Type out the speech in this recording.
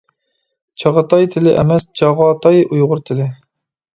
چاغاتاي تىلى ئەمەس، چاغاتاي ئۇيغۇر تىلى.